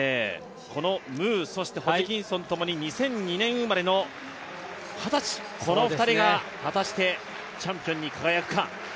このムー、ホジキンソンともに２００４年生まれの二十歳、この２人が、果たしてチャンピオンに輝くか。